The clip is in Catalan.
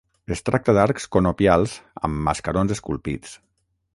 Es tracta d'arcs conopials amb mascarons esculpits.